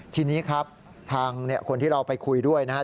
ทีนี้ครับทางคนที่เราไปคุยด้วยนะครับ